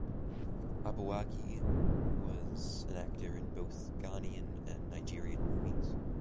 Aboagye was an actor in both Ghanaian and Nigerian movies.